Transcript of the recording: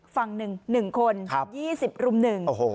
ฝั่งหนึ่งหนึ่งคนครับยี่สิบรุ่มหนึ่งโอ้โห